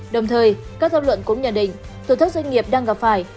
đồng thời các tham luận cũng nhận định tuần thất doanh nghiệp đang gặp phải